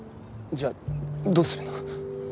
じゃあどうするの？